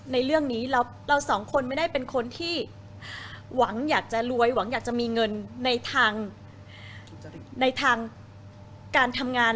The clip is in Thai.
ในเรื่องนี้เราสองคนไม่ได้เป็นคนที่หวังอยากจะรวยหวังอยากจะมีเงินในทางในทางการทำงาน